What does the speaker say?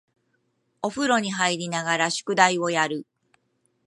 お風呂に入りながら宿題をやる